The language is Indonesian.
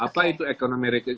apa itu ekonomi resiko rendah